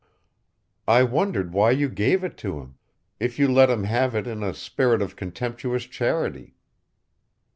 I wondered why you gave it to him if you let him have it in a spirit of contemptuous charity.